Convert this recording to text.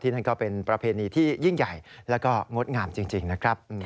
นั่นก็เป็นประเพณีที่ยิ่งใหญ่แล้วก็งดงามจริงนะครับ